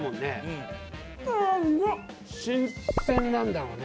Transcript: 新鮮なんだろうね。